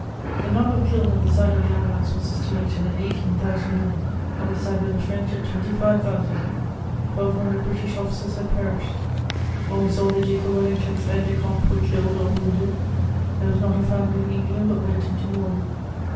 [Sidenote: The battle of Waterloo.] The number of killed on the side of the Allies was estimated at eighteen thousand men, on the side of the French at twenty five thousand; twelve hundred British officers had perished; almost all the Duke of Wellington's aides de camp were killed or wounded; there was not a family in England but went into mourning.